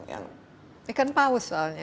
ya kan paus soalnya